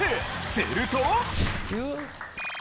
すると！